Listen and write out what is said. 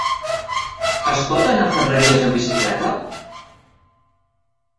Es pot anar a Ferreries amb bicicleta?